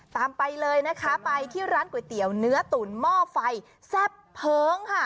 ไปเลยนะคะไปที่ร้านก๋วยเตี๋ยวเนื้อตุ๋นหม้อไฟแซ่บเพิ้งค่ะ